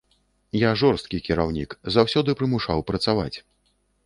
Я жорсткі кіраўнік, заўсёды прымушаў працаваць.